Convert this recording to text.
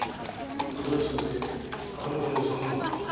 徳田新之助旗本の三男坊です。